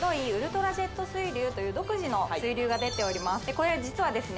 これは実はですね